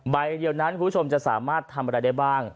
ใบเดียวนั้นคุณผู้ชมจะสามารถทำอะไรได้บ้าง